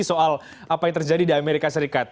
soal apa yang terjadi di amerika serikat